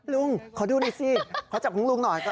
ลุงขอดูหน่อยสิขอจับของลุงหน่อย